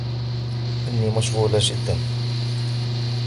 إنني مشغولة جداً.